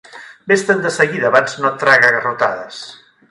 Vés-te'n de seguida, abans no et traga a garrotades!